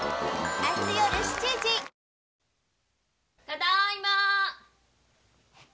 ・ただいま！